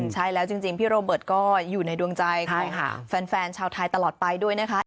ใช่แล้วจริงพี่โรเบิร์ตก็อยู่ในดวงใจของแฟนชาวไทยตลอดไปด้วยนะคะ